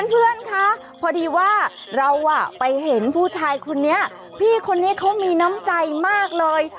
เพื่อนคะพอดีว่าเราไปเห็นผู้ชายคนนี้พี่คนนี้เขามีน้ำใจมากเลย